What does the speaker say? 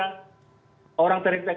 coba di new zealand satu saja